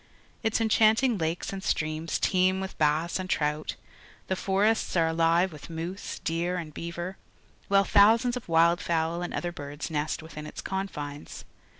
Its enchanting lakes and streams teem with bass and trout, the forests are alive with moose, deer, and beaver, while thousands of wild fowl and other birds nest witliin its confines.